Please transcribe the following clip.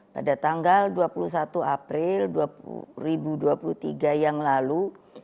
pada tanggal dua puluh satu april dua ribu dua puluh tiga yang lalu